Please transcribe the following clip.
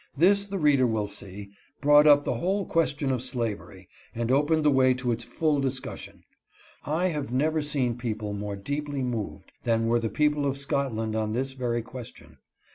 This, the reader will see, brought up the whole question of slavery, and opened the way to its full discus sion. I have never seen a people more deeply moved than were the people of Scotland on this very question.